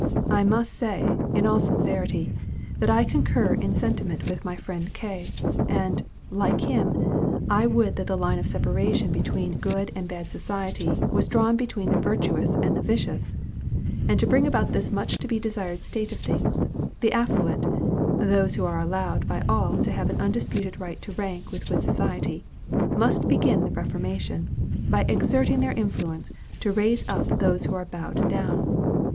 "I must say, in all sincerity, that I concur in sentiment with my friend K.; and, like him, I would that the line of separation between good and bad society was drawn between the virtuous and the vicious; and to bring about this much to be desired state of things, the affluent, those who are allowed by all to have an undisputed right to rank with good society, must begin the reformation, by exerting their influence to raise up those who are bowed down.